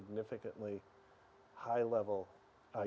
memiliki kemahiran it yang tinggi